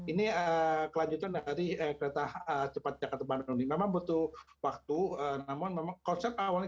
ini kelanjutan dari kereta cepat jakarta bandung ini memang butuh waktu namun memang konsep awalnya